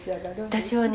私はね